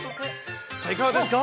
さあ、いかがですか？